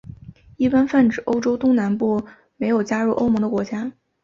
一般泛指欧洲东南部没有加入欧盟的国家。